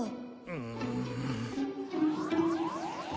うん。